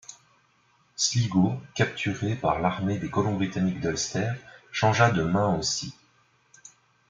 Sligo, capturée par l'armée des colons britanniques d'Ulster changea de mains aussi.